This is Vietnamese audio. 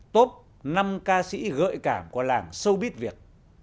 top năm ca sĩ gợi cảm của làng showbiz việt